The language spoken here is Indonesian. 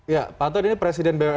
ya pak todi ini presiden bwf iya